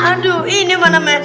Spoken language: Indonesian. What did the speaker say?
aduh ini mana main